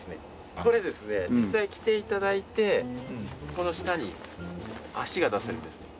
これですね実際着て頂いてこの下に足が出せるんですね。